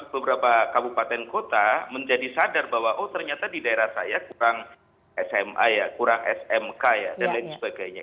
beberapa kabupaten kota menjadi sadar bahwa oh ternyata di daerah saya kurang sma ya kurang smk ya dan lain sebagainya